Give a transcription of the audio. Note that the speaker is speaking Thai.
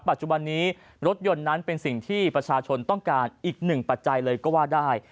ปัจจุบันนี้รถยนต์นั้นเป็นสิ่งที่ประชาชนต้องการอีกหนึ่งปัจจัยเลยก็ว่าได้